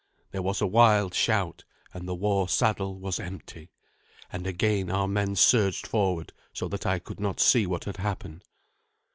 There was a wild shout, and the war saddle was empty; and again our men surged forward, so that I could not see what had happened.